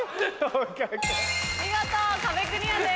見事壁クリアです。